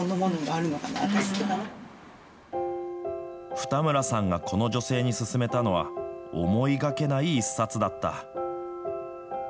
二村さんがこの女性に薦めたのは思いがけない１冊だった。